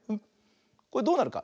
これどうなるか。